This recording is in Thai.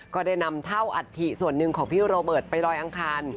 ก็ได้นำเท่าอัฐิส่วนหนึ่งของพี่โรเบิร์ตไปลอยอังคาร